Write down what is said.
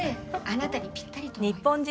あなたにぴったりと思います。